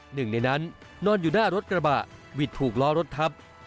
หนึ่งในนั้นนอนอยู่หน้ารถกระบะวิทย์ถูกล้อรถทับ